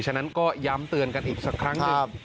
ฉะนั้นก็ย้ำเตือนกันอีกสักครั้งหนึ่ง